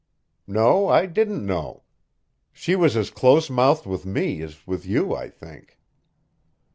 "No, I didn't know. She was as close mouthed with me as with you, I think."